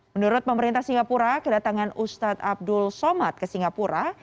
menurut pemerintah singapura kedatangan ustadz abdul somad ke singapura